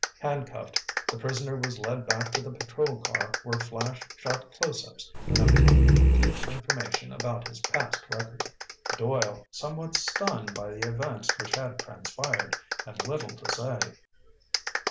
Handcuffed, the prisoner was led back to the patrol car where Flash shot close ups and obtained complete information about his past record. Doyle, somewhat stunned by the events which had transpired, had little to say.